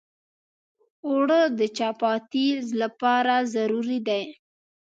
اوړه د چپاتي لپاره ضروري دي